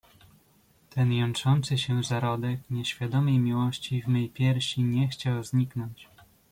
"Ten jątrzący się zarodek nieświadomej miłości w mej piersi nie chciał zniknąć."